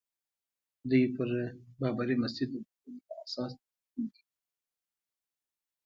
دوی پر بابري مسجد د بریدونو په اساس تقریرونه کوي.